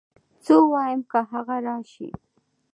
څه ووايم که هغه راشي